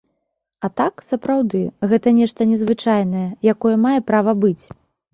А так, сапраўды, гэта нешта незвычайнае, якое мае права быць.